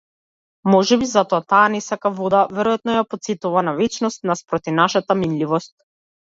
Можеби затоа таа не сака вода, веројатно ја потсетува на вечност наспроти нашата минливост.